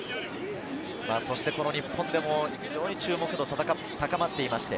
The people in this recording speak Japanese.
日本でも非常に注目度の高まっていまして。